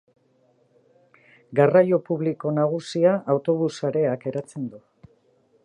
Garraio publiko nagusia autobus sareak eratzen du.